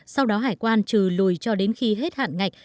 sau đó hải quan trừ lùi cho đến khi hết hạn ngạch